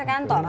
oh di kantor